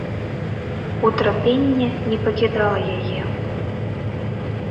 Утрапенне не пакідала яе.